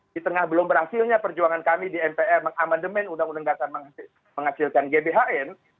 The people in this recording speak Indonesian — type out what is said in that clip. di tengah belum berhasilnya perjuangan kami di mpr mengamandemen uud menghasilkan gbhn